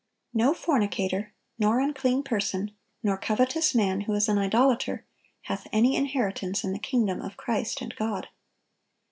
(946) "No fornicator, nor unclean person, nor covetous man, who is an idolater, hath any inheritance in the kingdom of Christ and God."